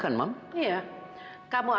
serta serah kita juga za atau ga undurkan